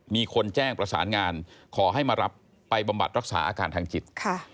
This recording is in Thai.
มีคนแจ้งประสานงานขอให้มารับไปบำบัดรักษาอาการทางจิต